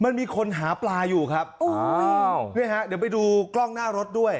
มันมีคนหาปลาอยู่ครับเนี่ยฮะเดี๋ยวไปดูกล้องหน้ารถด้วย